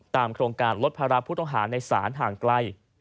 โครงการลดภาระผู้ต้องหาในศาลห่างไกล